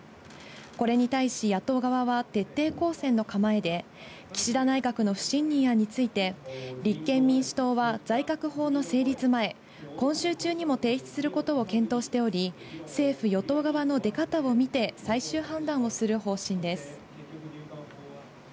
これに対し野党側は徹底抗戦の構えで、岸田内閣の不信任案について、立憲民主党は財確法の成立前、今週中にも提出することを検討しており、政府・与党側の出方を見て最終判断をする方針です。